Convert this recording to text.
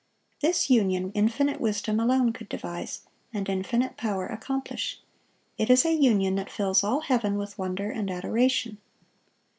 This union infinite wisdom alone could devise, and infinite power accomplish; it is a union that fills all heaven with wonder and adoration.